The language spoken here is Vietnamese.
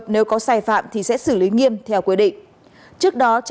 nếu có sai phạm thì sẽ xử lý nghiêm theo quy định